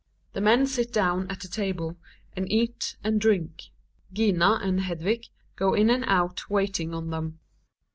The men sit down at the table, and eat and drink. Gina and Hedvig go in and out waiting on them.